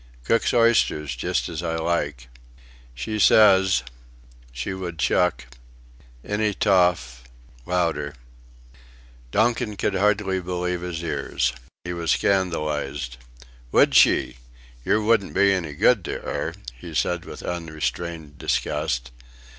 Cooks oysters just as I like... She says she would chuck any toff louder." Donkin could hardly believe his ears. He was scandalised "Would she? Yer wouldn't be any good to 'er," he said with unrestrained disgust.